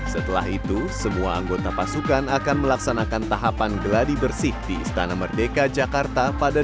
setelah itu semua anggota pasukan akan melaksanakan tahapan gadi bersih di istana merdeka jawa tenggara